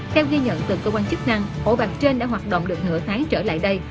theo ghi nhận từ công an chức năng ổ bạc trên đã hoạt động được nửa tháng trở lại đây